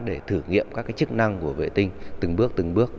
để thử nghiệm các chức năng của vệ tinh từng bước từng bước